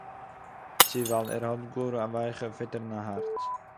צו ווייל ער האט גאר א ווייכע פיטערנע הארץ